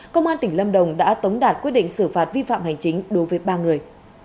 công an tỉnh lâm đồng đã tống đạt quyết định xử phạt vi phạm hành chính đối với ba người